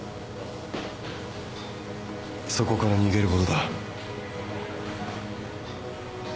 そこから逃げることだ。